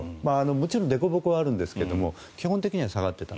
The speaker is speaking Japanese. もちろんでこぼこはあるんですけれども基本的には下がっていた。